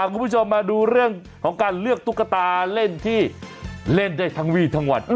คุณผู้ชมมาดูเรื่องของการเลือกตุ๊กตาเล่นที่เล่นได้ทั้งวี่ทั้งวัน